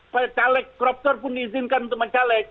percalek koruptor pun diizinkan untuk mencalek